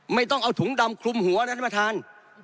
ไม่ต้องเอาถุงดำคลุมหัวนะท่านประธาน